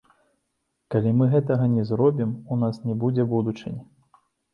Калі мы гэтага не зробім, у нас не будзе будучыні.